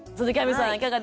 いかがでした？